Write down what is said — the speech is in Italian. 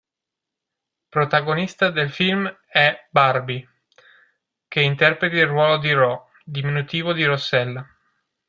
Protagonista del film è Barbie, che interpreta il ruolo di Ro, diminutivo di Rossella.